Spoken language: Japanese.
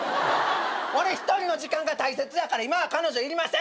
俺一人の時間が大切やから今は彼女いりません。